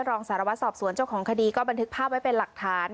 รองสารวัตรสอบสวนเจ้าของคดีก็บันทึกภาพไว้เป็นหลักฐาน